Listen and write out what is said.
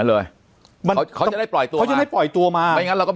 เอาอย่างงี้เลย